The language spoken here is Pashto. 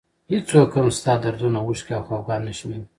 هېڅوک هم ستا دردونه اوښکې او خفګان نه شمېري.